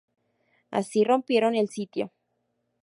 Así rompieron el sitio.